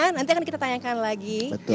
nanti akan kita tanyakan lagi